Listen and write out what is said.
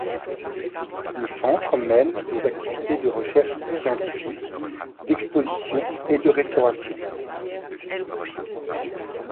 Le Centre mène des activités de recherche scientifique, d'expositions et de restauration.